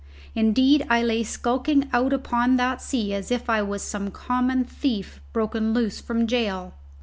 Indeed, I lay skulking out upon that sea as if I was some common thief broken loose from jail.